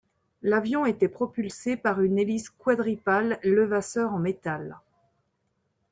L'avion était propulsé par une hélice quadripale Levasseur en métal.